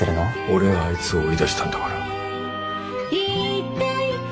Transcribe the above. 俺があいつを追い出したんだから。